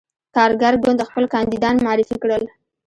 کارګر ګوند خپل کاندیدان معرفي کړل.